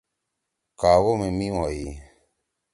کاوہ می میِم ہوئی۔